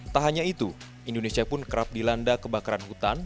tak hanya itu indonesia pun kerap dilanda kebakaran hutan